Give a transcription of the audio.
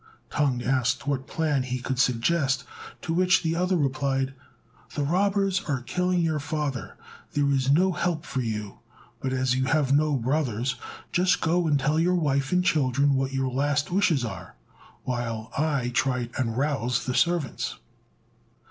Tung asked what plan he could suggest; to which the other replied, "The robbers are killing your father: there is no help for you; but as you have no brothers, just go and tell your wife and children what your last wishes are, while I try and rouse the servants."